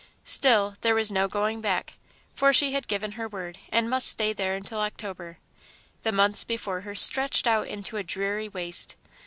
Still there was no going back, for she had given her word, and must stay there until October. The months before her stretched out into a dreary waste.